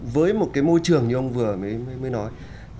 với một cái môi trường như ông vừa mới nói